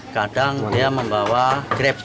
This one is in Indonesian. kadang dia membawa krep